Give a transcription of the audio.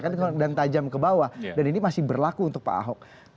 kemudian kalau kita melihat presiden memberikan ruang yang begitu besar untuk bisa publik mengawasi